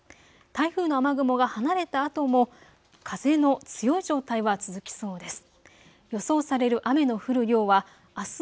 台風の雨雲が離れたあとも風の強い状態は続きそうです。